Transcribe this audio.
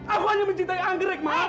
aku hanya mencintai anggrek maaf